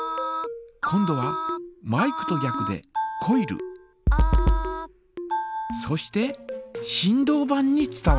今度はマイクとぎゃくでコイルそして振動板に伝わります。